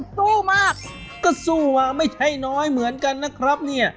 สู้มากก็สู้ไม่ใช่น้อยเหมือนกันนะครับเนี่ย